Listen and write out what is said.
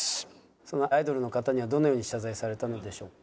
「そのアイドルの方にはどのように謝罪されたのでしょう？」。